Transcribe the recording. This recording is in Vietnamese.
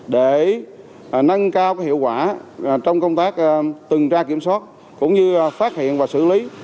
để nâng cao hiệu quả trong công tác tuần tra kiểm soát cũng như phát hiện và xử lý